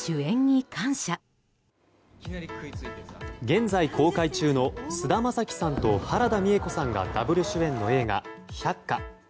現在、公開中の菅田将暉さんと原田美枝子さんがダブル主演の映画「百花」。